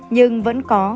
nhưng vẫn có